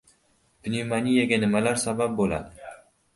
Pnevmoniyaga nimalar sabab bo‘ladi?